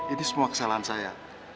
ini semua kesalahan saya